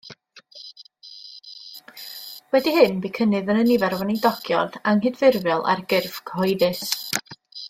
Wedi hyn bu cynnydd yn y nifer o weinidogion anghydffurfiol ar gyrff cyhoeddus.